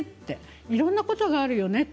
いろんなことがあるよね